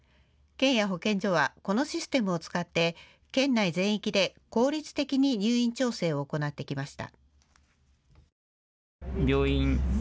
県や保健所は、このシステムを使って県内全域で効率的に入院調整を行ってきました。